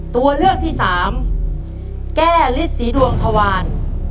ตัวเลือกที่๓แก้ฤทธิ์ศรีดวงธวาน